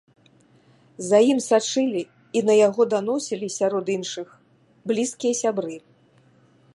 За ім сачылі і на яго даносілі, сярод іншых, блізкія сябры.